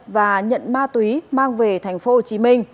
và nhận ma túy mang về tp hcm